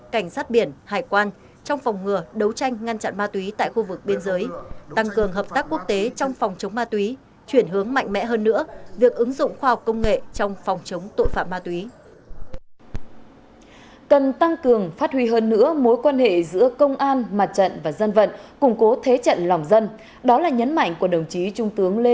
cảnh sát biển hải quan trong phòng ngừa đấu tranh ngăn chặn ma túy tại khu vực biên giới tăng cường hợp tác quốc tế trong phòng chống ma túy